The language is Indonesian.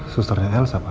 susternya elsa pak